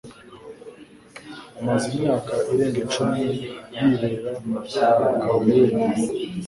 Amaze imyaka irenga icumi yibera mu kabari wenyine.